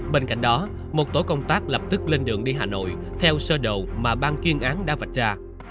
bên cạnh đó một tổ công tác lập tức lên đường đi hà nội theo sơ đồ mà bang chuyên án đã vạch ra